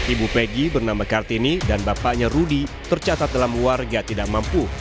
ibu peggy bernama kartini dan bapaknya rudy tercatat dalam warga tidak mampu